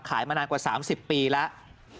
มานานกว่า๓๐ปีแล้ว